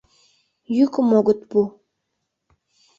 Йӱкым огыт пу...